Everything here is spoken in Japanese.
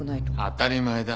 当たり前だ。